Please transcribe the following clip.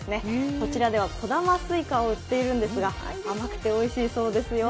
こちらでは小玉すいかを売っているんですが甘くておいしいそうですよ。